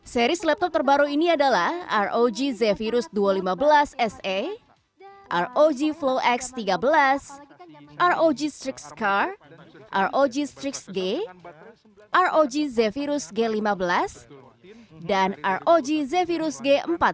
seri laptop terbaru ini adalah rog zephyrus dua ratus lima belas se rog flow x tiga belas rog strix car rog strix g rog zephyrus g lima belas dan rog zephyrus g empat belas